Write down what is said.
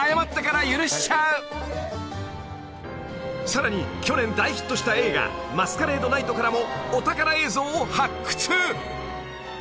［さらに去年大ヒットした映画『マスカレード・ナイト』からもお宝映像を発掘］